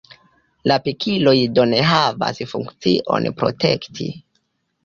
La pikiloj do ne havas funkcion protekti.